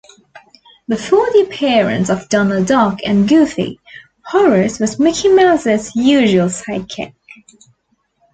Before the appearance of Donald Duck and Goofy, Horace was Mickey Mouse's usual sidekick.